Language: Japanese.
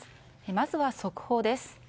まずは速報です。